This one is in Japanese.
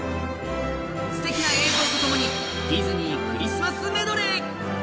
すてきな映像と共にディズニークリスマスメドレー。